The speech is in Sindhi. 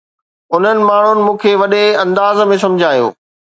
انهن ماڻهن مون کي وڏي انداز ۾ سمجهايو